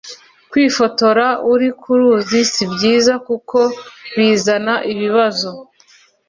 Kwifotora uri kuruzi si byiza kuko Bizana ibibazo